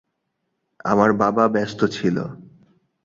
আমার বাবা ব্যস্ত ছিল।